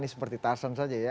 ini seperti tason saja ya